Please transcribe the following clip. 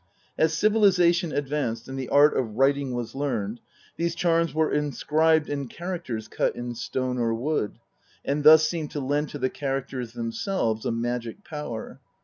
As civilisation advanced and the art of writing was learned, these charms were inscribed in characters cut in stone or wood, and thus seemed to lend to the characters themselves a magic power.